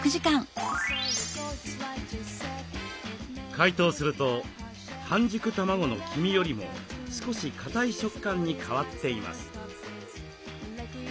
解凍すると半熟卵の黄身よりも少しかたい食感に変わっています。